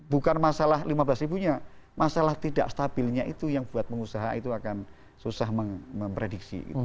bukan masalah lima belas ribunya masalah tidak stabilnya itu yang buat pengusaha itu akan susah memprediksi